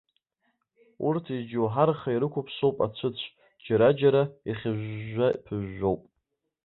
Урҭ иџьоуҳарха ирықәыԥсоуп ацәыцә, џьара-џьара ихьыжәжәа-ԥыжәжәоуп.